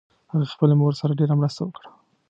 هغې خپلې مور سره ډېر مرسته وکړه